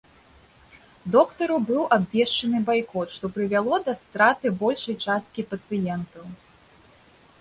Доктару быў абвешчаны байкот, што прывяло да страты большай часткі пацыентаў.